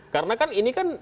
karena kan ini kan